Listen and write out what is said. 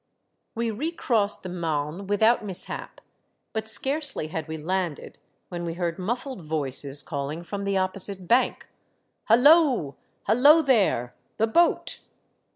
We recrossed the Marne without mishap. But scarcely had we landed when we heard muffled voices calling from the opposite bank, —'' Holloa, holloa there ! the boat